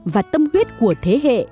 và tâm huyết của thế hệ